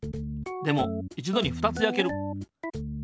でもいちどに２つやける。